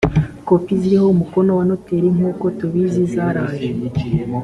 kopi ziriho umukono wa noteri nk uko tubizi zaraje